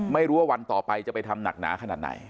ไม่รู้ว่าวันต่อไปจะไปทำหนักหนาขนาดไหน